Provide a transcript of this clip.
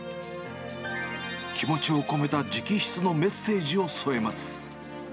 気持ちを込めた直筆のメッセージを添えます。